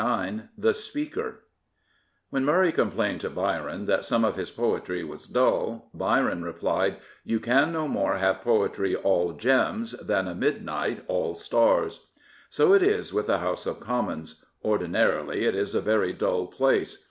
243 THE SPEAKER When Murray complained to Byron that some of his poetry was dull, Byron replied: " You can no more have poetry all gems than a midnight all stars." So it is with the House of Commons. Ordinarily it is a very dull place.